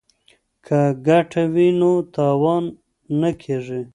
که ګټه وي نو تاوان نه کیږي.